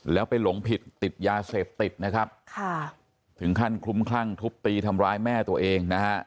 แล้วไปหลงผิดติดยาเสพติดนะครับค่ะถึงขั้นคลุมคลั่งทุบตีทำร้ายแม่ตัวเองนะฮะ